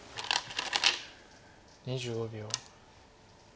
２５秒。